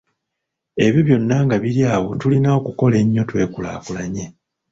"Ebyo byonna nga biri awo, tulina okukola ennyo twekulaakulanye."